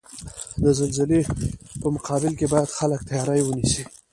د زلزلزلې په مقابل کې باید خلک تیاری ونیسئ.